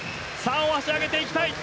大橋、上げていきたい！